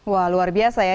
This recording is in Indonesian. wah luar biasa ya